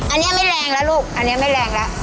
อันนี้ไม่แรงแล้วลูกอันนี้ไม่แรงแล้ว